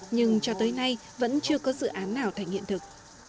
nhưng cho tới nay vẫn chưa có dự án nào thành hiện thực